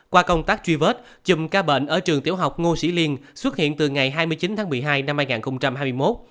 qua công tác truy vết chùm ca bệnh ở trường tiểu học ngô sĩ liên xuất hiện từ ngày hai mươi chín tháng một mươi hai năm hai nghìn hai mươi một